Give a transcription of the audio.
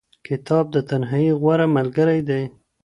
کتاب د تنهایۍ غوره ملګری دی.